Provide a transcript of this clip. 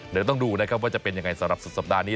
เดี๋ยวต้องดูนะครับว่าจะเป็นยังไงสำหรับสุดสัปดาห์นี้